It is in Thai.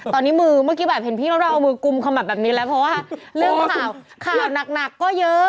ตอนนี้มือเมื่อกี้แบบเห็นพี่น้องเราเอามือกุมขมับแบบนี้แล้วเพราะว่าเรื่องข่าวข่าวหนักก็เยอะ